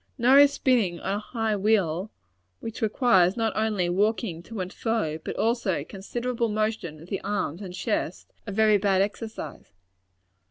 Nor is spinning on a high wheel which requires not only walking to and fro, but also considerable motion of the arms and chest a very bad exercise.